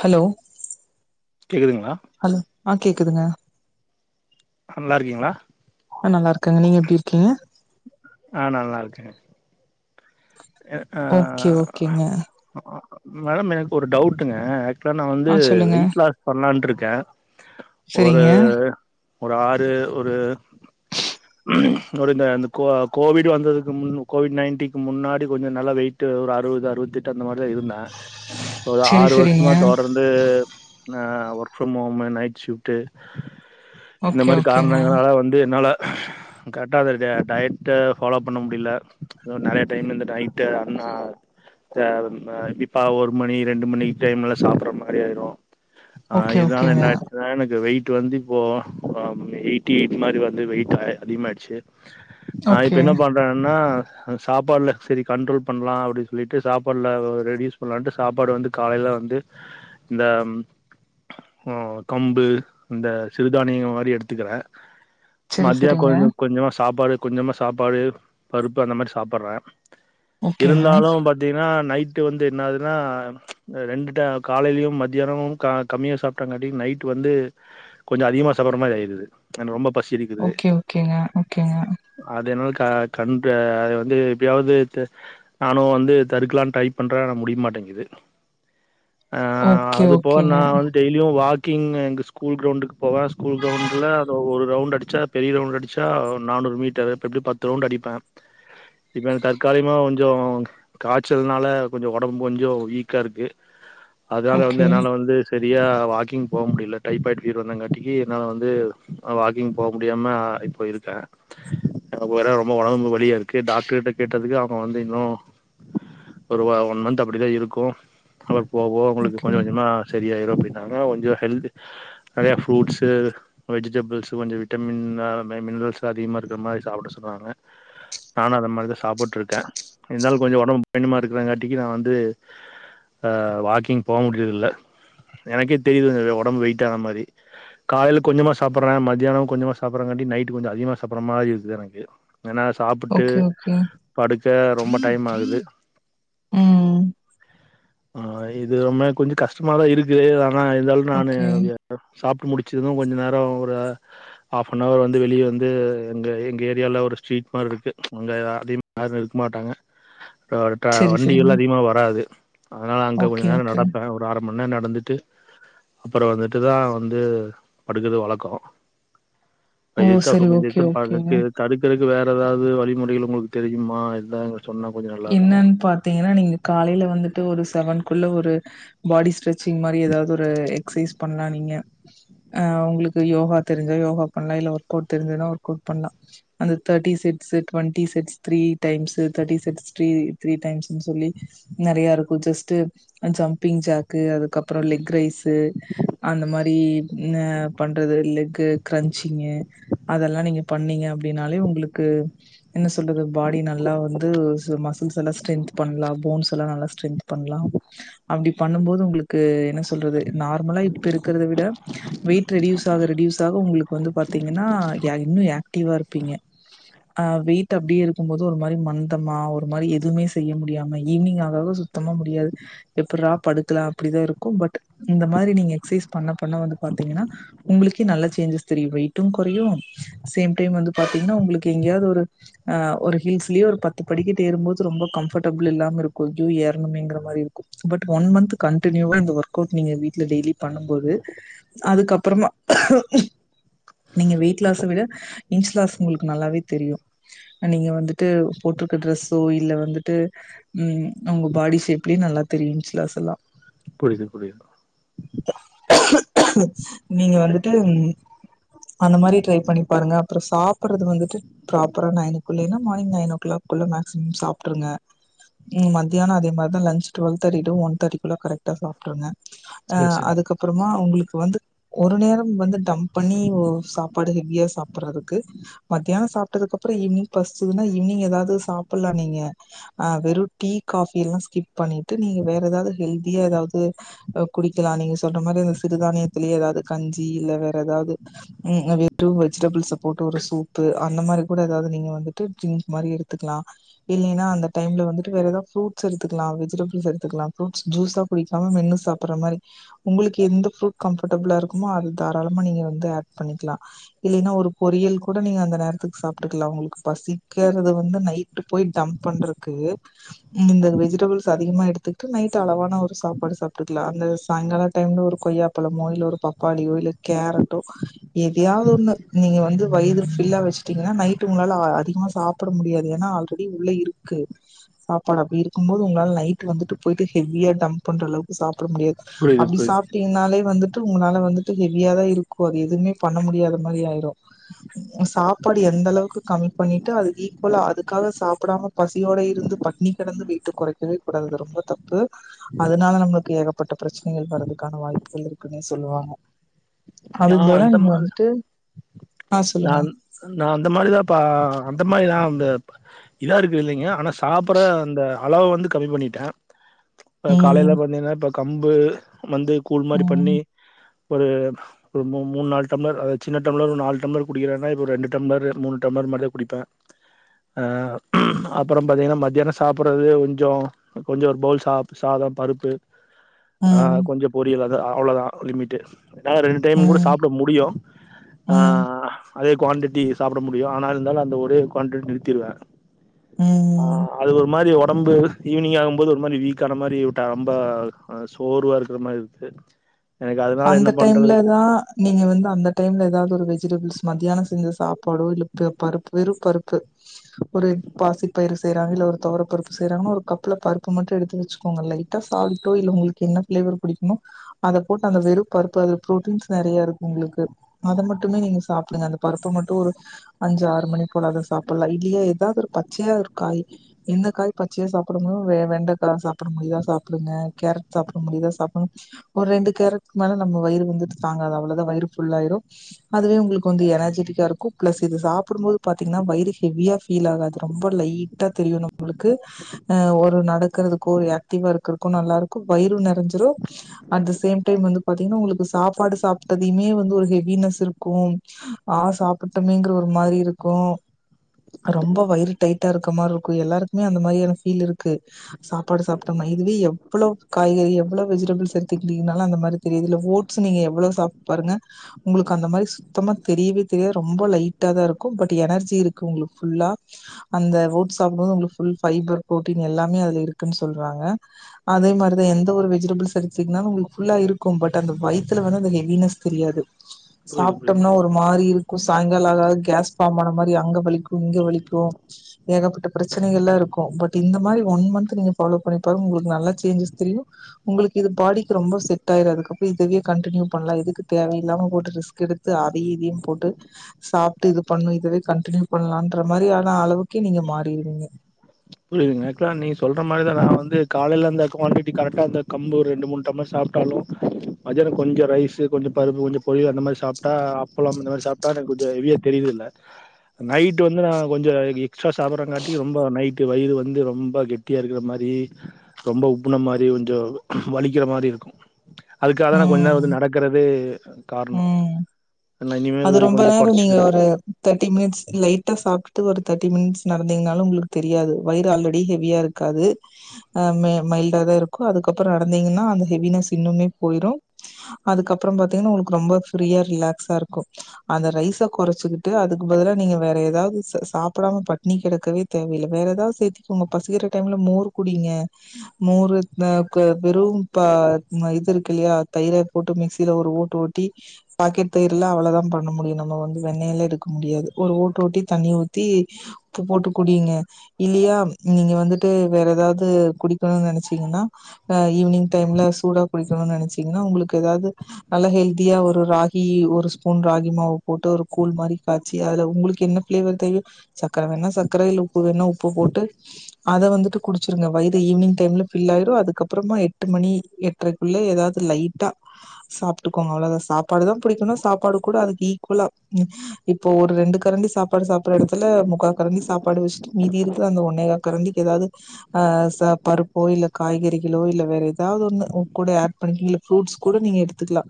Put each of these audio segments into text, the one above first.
Hello கேக்குதுங்ளா hello ஆ கேக்குதுங்க நல்லா இருக்கீங்ளா ஆ நல்லா இருக்கங்க நீங்க எப்டி இருக்கீங்க ஆ நா நல்லா இருக்கே ஓகே ஓகேங்க மேடம் எனக்கு ஒரு டவுட்டுங்க நா வந்து ஆ சொல்லுங்க வெயிட் லாஸ் பண்லான்ட்ருக் கே ஒரு செரிங்க ஒரு ஆறு ஒரு ஒரு இந்த கோ கோவிட் வந்ததுக்கு முன் கோவிட் நைன்டிக்கு முன்னாடி கொஞ்ச நல்ல வெயிட்டு ஒரு அறுவது அறுவத்தெட் டு அந்த மாரிதா இருந்தே ஒரு செரி ஆறு செரிங்க வருஷமா தொடர்ந்து அ work from home night shift இந்த ஓகே மாரி ஓகேங்க காரணங்களால வந்து என்னால கரெக்டா [unintelligible] டயட்டு ஃபாலோ பண்ண முடில தோ நெறைய டைம் இந்த நைட்டு அண்ணா த ஆ இப்பிடி ஒரு மணி ரெண்டு மணி டைம்ல சாப்பற மாரி ஆயிரும் ஆஹ் ஓகே இதுனால ஓகேங்க என்னாச்சுனா எனக்கு வெயிட் இது வந்து இப்போது எயிட்டி எயிட் மாரி வந்து வெயிட் அதிகமாகிடுச்சு ஆஹ் இப்ப ஓகே என்ன பண்றேன்னா அ சாப்பாடுல சரி கண்ட்ரோல் பண்ணலா அப்டின்னு சொல்லிட்டு சாப்பாடுல ரெடியூஸ் பண்ணலாட்டு சாப்பாடு வந்து காலையில வந்து இந்த ஹ் கம்பு இந்த சிறுதானியங்க மாரி எடுத்துக்குறேன் செரி மதியா செரிங்க கொஞ்சம் கொஞ்சம் சாப்பாடு கொஞ்சமா சாப்பாடு பருப்பு அந்த மாரி சாப்படுறேன் ஓகேங்க இருந்தாலும் பாத்தீங்கன்னா நைட் ட் வந்து என்னதுன்னா ரெண்டு காலையிலயும் மத்தியானமும் கம்மியா சாப்பிட்டாங்காட்டியும் நைட் வந்து கொஞ்சோம் அதிகமாக சப்படுற மாரி ஆயிடுது ரொம்ப பசி எடுக்குது ஓகே ஓகேங்க ஓகேங்க அ கண் த அது வந்து எப்பிடியாது து நானு வந்து தடுக்லானு ட்ரைப் பண்ற ஆன முடிய மாட்டேங்குது ஆஹ ஓகே அது போ நா ஓகேங்க வந்து டெய்லியும் வாத் கிங் எங்கஸ்கூல் கிரௌவுண்டுக்கு போவ ஸ்கூல் கிரவுண்ட்ல ஒரு ரவுண்ட் அடிச்சா பெரிய ரவுண்ட் அடிச்சா நானூறு மீட்டர் இப்ப எப்டி பத்து ரவுண்ட் அடிப்பேன் இப்ப எனக் காரியமா கொஞ்சம் காய்ச்சல்னால கொஞ்சம் உடம்பு கொஞ்சம் வீக்கா இருக்கு அதுனால வந்து ஓகே என்னால வந்து சரியா வாக்கிங் போ முடியல டைபாய்டு ஃபீவர் வந்தங்காட்டிக்கி என்னால் வந்து வாக்கிங் போ முடியாம இப்ப இருக்கேன் வேற ரொம்ப உடம்பு வழியாக இருக்கு டாக்டருர்கிட்ட கேட்டதுக்கு அவங்க வந்து இன்னும் ஒரு ஒன் மந்த் அப்படி தா இருக்கு அப் போவோ உங்ளுக்கு ஓகே கொஞ்ச கொஞ்சமா சேத் ஐய்யாறுவா போய்டாக கொஞ்ச கெல்த் நெறையா புரூட்ஸ் வெஜுடபிள்ஸ் கொஞ்ச விட்டமின்ஸ் மின்னரல்ஸ் அதிகமா இருக்க மாரி சாப்புட சொன்னாங்க நானு அது மாரி சாப்புட்டு இருக்கே இருந்தாலும் கொஞ்ச உடம்பு பயணமா இருக்கிறாங்காட்டிக்கு நான் வந்து ஆஹ் வாக்கிங் போக முடியறது இல்ல எனக்கே தெரியுது உடம்பு வெயிட் ஆன மாரி காலையில கொஞ்சமா சாப்பிடுறேன் மத்தியானம் கொஞ்சமா சாப்றாங்காட்டி நைட் கொஞ்ச அதிகமா சாப்ற மாரி இருக்குது எனக்கு ஏன்னா சாப்புட்டு சிம் ச்சா ரொம்ப டைம் ஆகுது உம் ஆஹ் இதுமே கொஞ்ச கஷ்டமாதா இருக்குது ஆம் ஆ இதல நானு ஓகே சாப் முடிச்சதும் கொஞ்ச நேர ஒரு ஹாஃப்னவர் வந்து வெளியே வந்து எங்க எங்க ஏரியால ஒரு ஸ்ட்ரீட் மாரி இருக்கு அங்க அதிக யாரும் இருக்க மாட்டாங்க வரட்டா செரி வண்டி செரிங்க எல்லா அதிகமா வராது அதுனால அங்க கொஞ்ச ஓகே நேரம் ஓகே நடப்பேன் ஒரு ஆரம் முன்னே நடந்துட்டு அப்பறம் வந்துட்டுதா வந்து படுக்றது வழக்கோம் ஓ பைசா [unintelligible] செரி ஓகே ஓகேங்க வேற ஏதாவது வழிமுறைகள் உங்ளுக்கு தெரியுமா இதாங்க என்னன்னு பாத்தீங்னா நீங்க காலையில வந்துட்டு ஒரு தெவன்குள்ள ஒரு பாடிஸ் ஸ்ரெட்சிங் மாரி ஏதாவது ஒரு எக்ஸ்சைஸ் பண்ணலா நீங்க அஹ் உங்ளுக்கு யோகா தெரிஞ்ச யோகா பண்ணலா இல்ல ஒர்கோட் தெரிசதுனா ஒர்கோட் பண்லா அந்த thirty six twenty six three times thirty six three three டைம்ஸ்ன்னு சொல்லி நெறையா இருக்கு ஜஸ்ட் ஜம்பிங் ஜாக்கு அதுக்கப்புற லெக் ரைஸ் அந்த மாரி பண்றது லெக்கு கிரன்ச்சிங்கு அதெல்லா நீங்க பண்ணீங்க அப்டின்னாலே உங்களுக்கு என்ன சொல்றது பாடி நல்லா வந்து சூ மசூல்செல்லா ஸ்டெந்த் பண்லா போம்ஸ் லா நல்லா ஸ்டெந்த் பண்லா அவுங்ளுக் பண்ணும் போது உங்களுக்கு என்ன சொல்றது நார்மலா இப்ப இருக்றத விட வெயிட் ரெடியூஸ் ஆக ரெடியூஸ் ஆக உங்களுக்கு வந்து பாத்தீங்கன்னா [unintelligible] டீவா இருப்பீங்க ஆஹ் வெயிட் அப்டியே இருக்கும்போது ஒரு மாரி மந்தமா ஒரு மாரி எதுவுமே செய்ய முடியாம ஈவினிங் ஆக ஆக சுத்தமா முடியாது எப்புரா படுக்கலா அப்டிதா இருக்கு பட் இந்த மாரி நீங்க எக்சைஸ் பண்ண பண்ண வந்து பாத்தீகன்னா உங்களுக்கே நல்ல சேஞ்சஸ் தெரியு வெயிட்டு குறையு சேம் டைம் வந்து பாத்தீங்கன்னா உங்களுக்கு எங்கேயது ஒரு ஹில்ஸ்லியோ ஒரு பத்து படிக்க ட்டு ஏறும்போது ரொம்ப கம்ஃபடபுல் இல்லாம இருக்கு அய்யோ ஏறங்னுமேங்கற மாரி இருக்கு பட் ஒன் மந்த் கன்டினியுவா இந்த ஒர்க்கோட் நீங்க வீட்ல டெய்லி பண்ணும்போது அதுக்கப்புறமா நீங்க வெயிட்லாஸ் விட இன்ஞ்லாஸ் உங்குளுக்கு நல்லாவே தெரியு நீங்க வந்துட்டு போட்ருக்க ட்ரெஸ் தோ இல்ல வந்துட்டு உம் அவுங்க பாடி ஷேப்லே நல்லா தெரியு இன்ச்ளாஸ்ல்லா புரிது புரிது நீங்க வந்துட்டு அந்த மாரி ட்ரை பண்ணி பாருங்க அப்புறோ சாப்றது வந்துட்டு ப்ராப்பரா நைனுக்குள்ளேன்னா மார்னிங் நைன் ஓ கிளாக்குள்ள மே [unintelligible] சாப்ட்ருங்க மத்தியான அதே மாரி தா லன்ச் ட்டுவெல் தேட்டி டு ஒன் தேட்டி குள்ள கரெக்ட்டா சாப்ட்ருங்க ஹ சரி சரிங்க அதுக்கப்புறமா உங்களுக்கு வந்து ஒரு நேரோ வந்து டம்ப் பண்ணி சாப்பாடு ஹெவியா சாப்றதுக்கு மத்தியான சாப்ட்டதுக்கப்புறோ ஈவ்னிங் பசிச்சதுனா ஈவ்னிங் எதாது சாப் புல்லா நீங்க ஆ வெறு டீ காஃபி எல்லா ஸ்கிப் பண்ணிட்டு நீங்க வேற எதாது ஹெல்தியா எதாது குடிக்கலா நீங்க சொல்ற மாரி அந்த சிறுதானியத்திலயே எதாது கஞ்சி இல்ல வேற எதாது ம் வெறும் வெஜிடேபிள்ஸ போட்டு ஒரு சூப்பு அந்த மாரி கூட எதாது நீங்க வந்துட்டு ட்ரிங்க்ஸ் மாரி எடுத்துக்கலா இல்லின்னா அந்த டைம்ல வந்துட்டு வேற எதாது ஃப்ரூட்ஸ் எடுத்துக்கலா வெஜிடேபிள்ஸ் எடுத்துக்கலா ப்ரூட்ஸ் ஜூஸா குடிக்காம மென்னு சாப்பற்ற மாரி உங்களுக்கு எந்த ஃப்ரூட் கம்ஃபர்டபுளா இருக்குமோ அது தாராளமா நீங்க வந்து ஆட் பண்ணிக்கலா இல்லினா ஒரு பொரியல் கூட நீங்க அந்த நேரத்துக்கு சாப்ட்டுக்கலா உங்களுக்கு பசிக்கிறது வந்து நை டு போய் டம்ப் பண்றக்கு இந்த வெஜிடபிள்ஸ் அதிகமா எடுத்துக்கிட்டு நைட் அளவான ஒரு சாப்பாடு சாப்ட்டுக்கலா அந்த சாயங்கால டைம்ல ஒரு கொய்யாப்பலமோ இல்ல ஒரு பப்பாளியோ இல்ல கேரட்டோ எதயாது ஒன்னு நீங்க வந்து வயிறு ஃபில்லா வெச்சிட்டீங்கனா நைட்டு உங்களால அதிகமா சாப்ட முடியாது ஏனா ஆல்ரெடி உள்ள இருக்கு சாப்பாடு அப்டி இருக்கும் போது உங்களால நைட்டு வந்துட்டு போயிட்டு ஹெவியா டம்ப் பண்ற அளவுக்கு சாப் பற முடியாது புரியுது அப்டி புரியுது சாப்ட்டீங்கனாலே வந்து ட்டு உங்களால வந்துட்டு ஹெவியா தா இருக்கு அது எதுமே பண்ண முடியாத மாரி ஆயிரு சாப்பாடு எந்த அளவுக்கு கம்மி பண்ணிட்டு அது ஈக்வலா அது அதுக்காக சாப்புடாம பசியோட இருந்து பட்னி கெடந்து வெய்ட்டு கொறைக்கவேக் கூடாது ரொம்ப தப்பு அதனால நம்மளுக்கு ஏகப்பட்ட பிரச்னைகள் வர்றதுக்கான வாய்ப்புகள் இருக்குன்னே சொல்லுவாங்க நா அதுக்கு பதிலா அந்த நீங்க மாரி வந்துட்டு ஆ நா சொல்லுங்க நா அந்த மாரி தா பா அந்த மாரி தா அந்த இதா இருக்கு இல்லைங்க ஆனா சாப்புற அந்த அளவ வந்து கம்மி பண்ணிட்ட ம் காலைல பாத்தீங்கனா கம்பு வந்து கூல் மாரி பண்ணி ம் ஒரு ஒரு மூ மூண் நாலு டம்ளர் அத சின்ன டம்ளர் ஒரு நாலு டம்ளர் குடிக்கிறேன்னா இப்போ ரெண்டு டம்ளர் மூணு டம்ளர் மாரி தா குடிப்பே அப்றோ பாத்தீங்கனா மத்தியான சாப்பிட்றது கொஞ்ஜோ கொஞ்ஜோ ஒரு பவுல் சாப் சாத பருப்பு ஆ ம் கொஞ்ஜோ பொரியல் அவ்ளோ தா லிமிட்டு டைம்மு கூட ம் சாப்ட முடியு ஆ ம் அதே குவான்டிட்டி சாப்ட முடியு ஆனா இருந்தாலு அந்த ஒரே குவான்டிட்டி நிறுத்திடுவ ஆ ம் அது ஒரு மாரி ஒடம்பு ஈவினிங் ஆகும் போது ஒரு மாரி வீக் ஆன மாரி விட்ட ரொம்ப சோர்வா இருக்கிற மாரி இருக்கு அந்த டைம்ல தா நீங்க வந்து அந்த டைம்ல எதாது ஒரு வெஜிடபிள்ஸ் மத்தியான செஞ்ச சாப் பாடோ இல்ல பருப்பு வெறு பருப் ஒரு பாசி பயிறு செய்றாங்க இல்ல ஒரு தொவர பருப்பு செய்றாங்கனா ஒரு கப்புல பருப்பு மட்டு எடுத்து வெச்சுக்கோங்க லைட்டா சால்ட்டோ இல்ல உங்களுக்கு என்ன ஃப்ளேவர் புடிக்குமோ அத போட்டு அந்த வெறு பருப்பு அதுல ப்ரோட்டீன்ஸ் நெறைய இருக்கு உங்களுக்கு அத மட்டுமே நீங்க சாப்டுங்க அந்த பருப்பு மட்டும் ஒரு அஞ்சு ஆறு மணி போல அத சாப்லா இல்லையா எதாது பச்சையா இரு காய் எந்த காய் பச்சையா சாப்ட முடியு வெண்டைக்கா சாப்ட முடியுதா சாப்டுங்க கேரட் சாப்ட முடியுதா சாப்பிடு ஒரு ரெண்டு கேரட் மேல நம்ம வயிறு வந்துட்டு தாங்காது அவ்ளோ தா வயிறு ஃபுல்லாயிரு அதுவே உங்களுக்கு வந்து எனர்ஜெட்டிக்கா இருக்கு ப்ளஸ் இது சாப்பிடும் போது பாத்தீங்கனா வயிறு ஹெவியா ஃபீல் ஆகாது ரொம்ப லைட்டா தெரியு நம்மளுக்கு ஹ ஒரு நடக்கிறதுக்கோ ஒரு ஆக்டிவா இருக்கிறக்கோ நல்லா இருக்கு வயிறு நெரஞ்சிரும் அந்த சேம் வந்து பார்த்தீங்கனா உங்களுக்கு சாப்பாடு சாப்பிட்டதையுமே வந்து ஒரு ஹெவினஸ் இருக்கு ஆ சாப்பிட்டமேங்கற ஒரு மாரி இருக்கு ரொம்ப வயிறு டைட்டா இருக்க மாரி இருக்கு எல்லாருக்குமே அந்த மாரியான ஃபீல் இருக்கு சாப்பாடு சாப்பிட்டோமே இதுவே எவ்ளோ காய்கறி எவ்ளோ வெஜிடபிள்ஸ் எடுத்துகிட்டிங்கனா அந்த மாரி தெரியுதுல ஓட்ஸ் நீங்க எவ்ளோ சாப்ட்டு பாருங்க உங்களுக்கு அந்த மாரி சுத்தமா தெரியவே தெரியாது ரொம்ப லைட்டா தா இருக்கு பட் எனர்ஜி இருக்கு உங்களுக்கு ஃபுல்லா அந்த ஓட்ஸ் சாப்டும் போது ஃபுல் ஃபைபர் ப்ரோட்டீன் எல்லாமே அதுல இருக்குனு சொல்றாங்க அதே மாரி தா எந்த ஒரு வெஜிடபிள் எடுத்திங்னாலு ஃபுல்லா இருக்கு பட் அந்த வயித்துல வந்து அந்த ஹெவினஸ் தெரியாது புரியுது புரியுது சாப்ட்டோம்னோ ஒரு மாரி இருக்கு சாயங்காலோ ஆனா கேஸ் ஃபாம் ஒரு மாரி அங்க வலிக்கு இங்க வலிக்கு ஏகப்பட்ட ப்ரச்சனைகல்லா இருக்கு பட் இந்த மாரி ஒன் மன்த் நீங்க ஃபாலோ பண்ணி பாருங்க உங்களுக்கு நல்லா சேன்ஜஸ் தெரியு உங்களுக்கு இது பாடி ரொம்ப செட் ஆயிரு அதுக்கப்புறோம் இதவே கண்ட்டினியூ பண்ணலா இதுக்கு தேவையில்லாம போட்டு ரிஸ்க் எடுத்து அத இதையு போட்டு சாப்ட்டு இது பண்ணு இதுவே கன்ட்டினிவ் பண்ணலான்ற மாரியான அளவுக்கே நீங்க மாறிடுவீங்க புரியுதுங்க ஆக்சுவலா நீ சொல்ற மாரி தா நா வந்து காலையில அந்த குவான்டிட்டி கரெட்டா அந்த கம்பு ரெண்டு மூணு டம்ளர் சாப்ட்டாலு மதியானோ கொஞ்ஜோ ரைசு கொஞ்ஜோ பருப்பு கொஞ்ஜோ பொரியல் அந்த மாரி சாப்ட்டா அப்பளம் இந்த மாரி சாப்ட்டா எனக்கு கொஞ்சம் ஹெவியா தெரியுதில்ல நைட் வந்து நா கொஞ்ஜோ எக்ஸ்ட்ரா சாப்பிடுறங்காட்டி ரொம்ப நைட் வயிறு வந்து ரொம்ப கெட்டியா இருக்குற மாரி ரொம்ப உப்புன மாரி கொஞ்ஜோ வலிக்கிற மாரி இருக்கு அதுக்கா தா நான் கொஞ்ச நேரம் வந்து ம் நடக்றது காரணம் ம் நான் இனிமேல் அது இதை ரொம்ப கொஞ்சம் நேரம் நீங்க கொறச்சுக்கிறேங்க. ஒரு தேர்ட்டி மினிட்ஸ் லைட்டா சாப்பிட்டு ஒரு தேர்ட்டி மினிட்ஸ் நடந்தீங்கனாலும் உங்களுக்கு தெரியாது வயர் ஆல்ரெடி ஹெவியா இருக்காது மைல்டாக தான் இருக்கும் அதுக்கப்புறம் நடந்தீங்கன்னா அந்த ஹெவினஸ் இன்னமே போயிடும் அதுக்கப்புறம் பார்த்தீங்கன்னா உங்களுக்கு ரொம்ப ஃப்ரீயா ரிலாக்ஸா இருக்கும் அந்த ரைஸ் குறைச்சுக்கிட்டு அதுக்கு பதில நீங்க வேற ஏதாவது சாப்பிடாம படினி கிடக்கவே தேவல வேற ஏதாவது சேர்த்து உங்க பசிக்கிற டைம்ல மோர் குடிங்க மோரு வெறும் இது இருக்கு இல்லையா தயிரை போட்டு மிக்சியில ஒரு ஓட்டு ஓட்டி பாக்கெட் தயிர் எல்லாம் அவ்வளவுதான் பண்ண முடியும் நம்ம வந்து வெண்ணயில இருக்க முடியாது ஒரு ஓட்டு ஓட்டி தண்ணி ஊத்தி போட்டு குடியுங்க இல்லையா நீங்க வந்துட்டு வேற ஏதாவது குடிக்கணும்னு நினைச்சீங்கன்னா ஈவினிங் டைம்ல சூடா குடிக்கணும்னு நினைச்சீங்கன்னா உங்களுக்கு ஏதாவது நல்லா எல்தியா ஒரு ராகி ஒரு ஃபுன் ராகி மாவு போட்டு ஒரு கூழ் மாதிரி காய்சி அது உங்களுக்கு என்ன பிளேவர் தெரியும் சக்கரை வேணா சக்கரையில் உப்பு வேணணா உப்பு போட்டு அதை வந்துட்டு குடிச்சிருங்க வயிறு ஈவினிங் டைம்ல பபில் ஆயிரும் அதுக்கப்புறமா எட்டு மணி எட்டரைக்குள்ள ஏதாவது லைட்டா சாப்பிட்டுக்கோங்க அவ்வளோ சாப்பாடுதான் பிடிக்கணும் சா சாப்பாடு கூட அதுக்கு ஈக்குவலா இப்போ ஒரு ரெண்டு கரண்டி சாப்பாடு சாப்பிடடுற இடத்துல முக்கா கரண்டி சாப்பாடு வச்சுட்டு மீதி இருக்கு அந்த ஒன்னேகா கரண்டிக்கு ஏதாவது பருப்போ இல்ல காய்கறிகளோ இல்ல வேற ஏதாவது ஒ கூட் பண்ணிக்க கூட எடுத்துக்கலா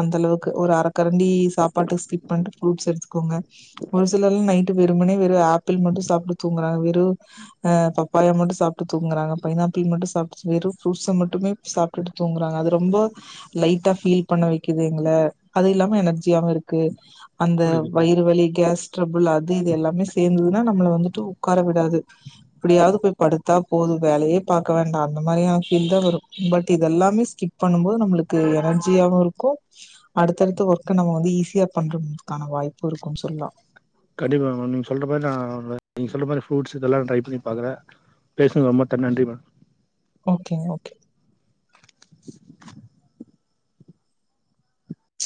அந்த அளவுக்கு ஒரு அ [unintelligible] எனர்ஜி இருக்கு அந்த புரியுது, புரியுது. வயிறு வலி கேஸ் கேஸ்டேபிள் இது எல்லாமே சேர்ந்ததுன்னா நம்மள வந்துட்டு உட்கார விடாது அப்படியாவது போய் படுத்தா போகும் வேலையே பார்க்க வேண்டாம் அந்த மாதிரியான பீல் தான் வரும் பட் இதுெல்லாமே ஸ்கிப் பண்ணு போது நம்மளுக்கு எனர்ஜியாவும் இருக்கும் அடுத்து-அடுத்து ஒர்க் நம்ம வந்து ஈஸியா பண்றம்துக்கான வாய்ப்பு இருக்கும்னு சொல்லலாம் கண்டிப்பா மேடம் நீங்க சொல்ற மாதிரி நான் நீங்க சொல்ற மாரி ஃப்ரூட்ஸ் இதெல்லாம் ட்ரை பண்ணி பாக்குறன் பேசுங்க ரொம்ப நன்றி மேடம் ஓகே ஓகே